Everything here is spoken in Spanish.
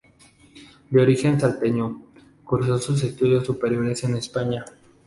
De origen salteño, cursó sus estudios superiores en España.